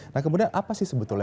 nah kemudian apa sih sebetulnya